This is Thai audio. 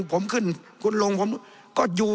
ผมขึ้นคุณลงผมก็อยู่